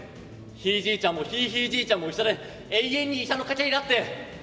ひい爺ちゃんもひいひい爺ちゃんも医者で永遠に医者の家系だって。